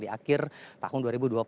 di akhir tahun dua ribu dua puluh